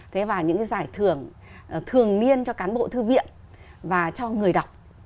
thế và những cái giải thưởng thường niên cho cán bộ thư viện và cho người đọc